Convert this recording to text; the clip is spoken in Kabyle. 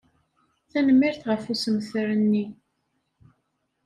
Tanemmirt ɣef ussemter-nni.